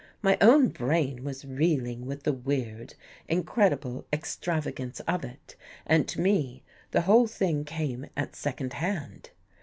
My own brain was reeling with the weird, incredible extravagance of it and to me the whole thing came at second hand.